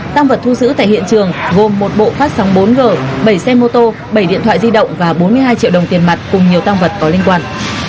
tăng vật thu giữ tại hiện trường gồm một bộ phát sóng bốn g bảy xe mô tô bảy điện thoại di động và bốn mươi hai triệu đồng tiền mặt cùng nhiều tăng vật có liên quan